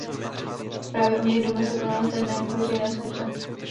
Právě u něj doma se konaly tajné i veřejné schůze.